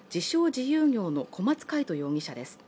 ・自由業の小松魁人容疑者です